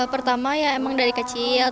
pertama ya emang dari kecil